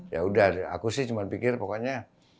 ya udah aku sih cuma pikir pokoknya